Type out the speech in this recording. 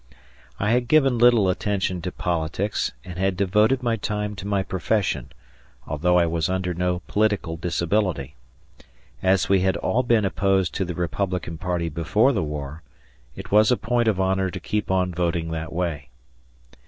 I had given little attention to politics and had devoted my time to my profession, although I was under no political disability. As we had all been opposed to the Republican party before the war, it was a point of honor to keep on voting that way.